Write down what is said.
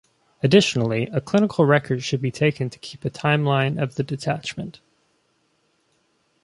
Additionally, a clinical record should be taken to keep a timeline of the detachment.